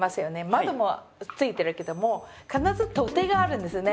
窓もついてるけども必ず取っ手があるんですよね。